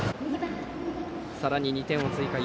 さらに２点を追加。